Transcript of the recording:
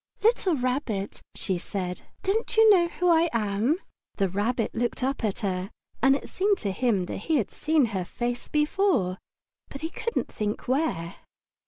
"Little Rabbit," she said, "don't you know who I am?" The Rabbit looked up at her, and it seemed to him that he had seen her face before, but he couldn't think where.